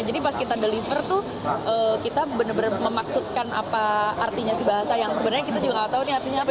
jadi pas kita menghidupkan kita benar benar memaksudkan apa artinya bahasa yang sebenarnya kita juga tidak tahu artinya apa